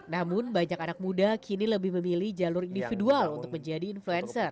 namun banyak anak muda kini lebih memilih jalur individual untuk menjadi influencer